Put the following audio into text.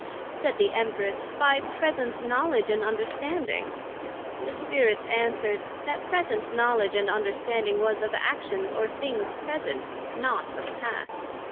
said the Empress, By present Knowledg and Understanding. The Spirits answered, That present Knowledg and Understanding was of actions or things present, not of past.